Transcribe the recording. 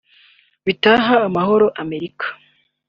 bitaha amahoro Amerika